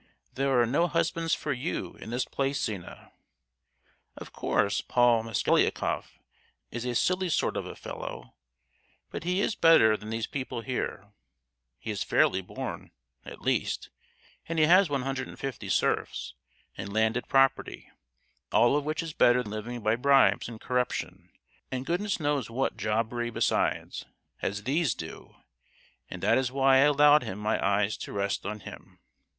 There are no husbands for you in this place, Zina! Of course Paul Mosgliakoff is a silly sort of a fellow, but he is better than these people here: he is fairly born, at least, and he has 150 serfs and landed property, all of which is better than living by bribes and corruption, and goodness knows what jobbery besides, as these do! and that is why I allowed my eyes to rest on him.